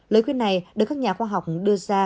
lời quyết này được các nhà khoa học điều hành nghiên cứu